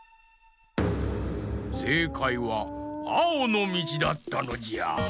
せいかいはあおのみちだったのじゃ。